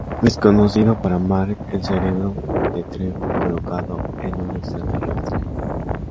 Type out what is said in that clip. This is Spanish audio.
Desconocido para Mark, el cerebro de Trent fue colocado en un extraterrestre.